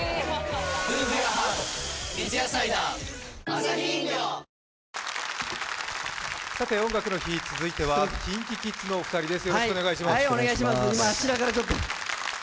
『三ツ矢サイダー』「音楽の日」続いてはＫｉｎＫｉＫｉｄｓのお二人です。